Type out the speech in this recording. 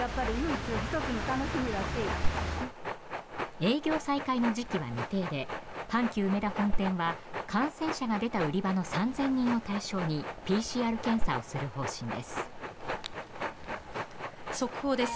営業再開の時期は未定で阪急うめだ本店は感染者が出た売り場の３０００人を対象にＰＣＲ検査をする方針です。